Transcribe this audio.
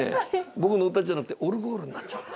僕の歌じゃなくてオルゴールになっちゃった。